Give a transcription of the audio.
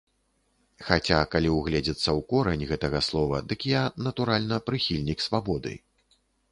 Хаця, калі ўгледзецца ў корань гэтага слова, дык я, натуральна, прыхільнік свабоды.